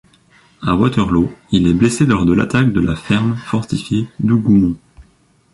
À Waterloo, il est blessé lors de l'attaque de la ferme fortifiée d'Hougoumont.